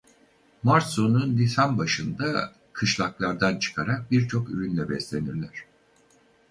Mart sonu nisan başında kışlaklardan çıkarak birçok ürünle beslenirler.